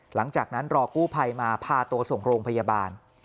หลังจากนั้นรอกู้ภัยมาพาตัวส่งโรงพยาบาล